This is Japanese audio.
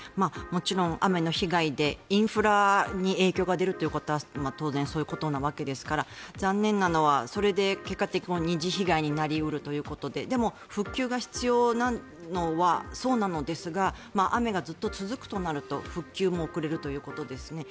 もちろん雨の被害でインフラに影響が出ることは当然そういうことなわけですから残念なのはそれで結果的に二次被害になり得るということででも復旧が必要なのはそうなのですが雨がずっと続くとなると復旧も遅れるということですね。